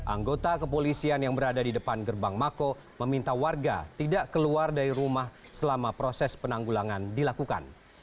anggota kepolisian yang berada di depan gerbang mako meminta warga tidak keluar dari rumah selama proses penanggulangan dilakukan